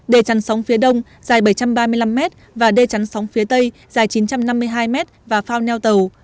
đề chăn sóng phía đông dài bảy trăm ba mươi năm m và đê chắn sóng phía tây dài chín trăm năm mươi hai m và phao neo tàu